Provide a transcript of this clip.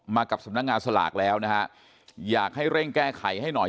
มากับสำนักงานสลากแล้วนะฮะอยากให้เร่งแก้ไขให้หน่อย